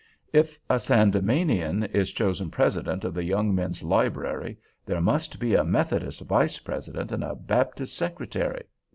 If a Sandemanian is chosen president of the Young Men's Library, there must be a Methodist vice president and a Baptist secretary.